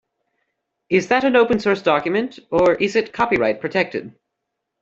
Is that an open source document, or is it copyright-protected?